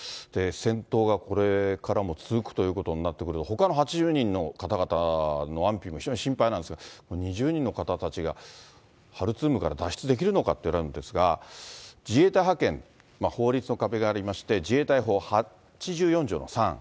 戦闘がこれからも続くということになってくると、ほかの８０人の方々の安否も非常に心配なんですが、２０人の方たちがハルツームから脱出できるかということなんですが、自衛隊派遣、法律の壁がありまして、自衛隊法８４条の３。